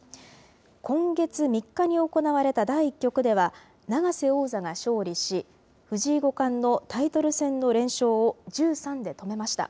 今月３日に行われた第１局では、永瀬王座が勝利し、藤井五冠のタイトル戦の連勝を１３で止めました。